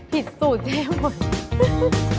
ผิดสูตรเจ๊หมด